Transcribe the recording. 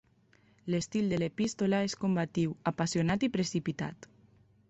L'estil de l'epístola és combatiu, apassionat i precipitat.